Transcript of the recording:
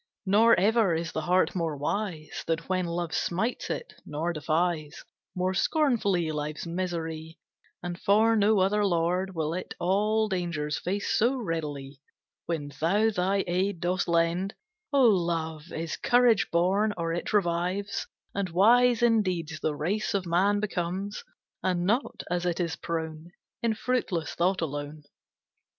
Nor ever is the heart more wise Than when Love smites it, nor defies More scornfully life's misery, And for no other lord Will it all dangers face so readily. When thou thy aid dost lend, O Love, is courage born, or it revives; And wise in deeds the race of man becomes, And not, as it is prone, In fruitless thought alone.